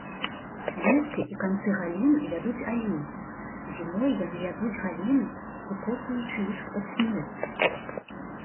Лісце і канцы галін ядуць алені, зімой яны ядуць галіны выкопваючы іх з-пад снегу.